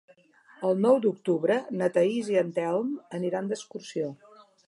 El nou d'octubre na Thaís i en Telm aniran d'excursió.